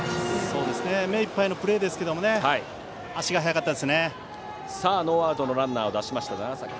目いっぱいのプレーでしたが足が速かったです。